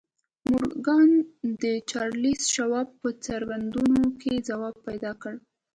مورګان د چارليس شواب په څرګندونو کې ځواب پيدا کړ.